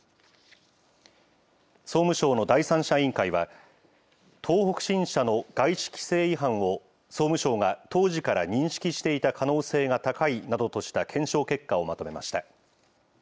総務省の第三者委員会は、東北新社の外資規制違反を、総務省が当時から認識していた可能性が高いなどとした検証結果をまとめました。